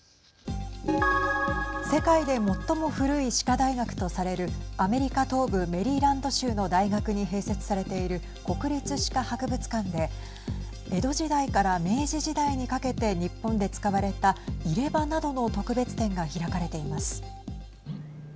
世界で最も古い歯科大学とされるアメリカ東部メリーランド州の大学に併設されている国立歯科博物館で江戸時代から明治時代にかけて日本で使われた入れ歯などの特別展が開かれています。